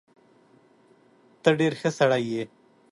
ته ډیر ښه سړی یې